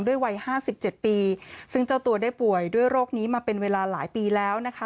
วัยห้าสิบเจ็ดปีซึ่งเจ้าตัวได้ป่วยด้วยโรคนี้มาเป็นเวลาหลายปีแล้วนะคะ